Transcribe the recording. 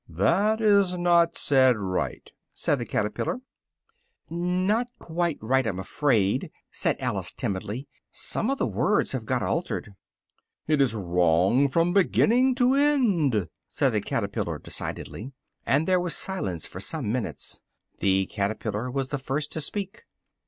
"That is not said right," said the caterpillar. "Not quite right, I'm afraid," said Alice timidly, "some of the words have got altered." "It is wrong from beginning to end," said the caterpillar decidedly, and there was silence for some minutes: the caterpillar was the first to speak.